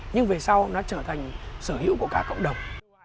nhưng về sau nó trở thành sở hữu của cả cộng đồng